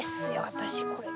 私これ。